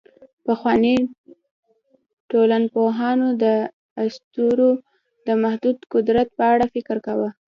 پخواني ټولنپوهان د اسطورو د محدود قدرت په اړه فکر کاوه.